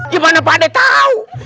gimana padeh tau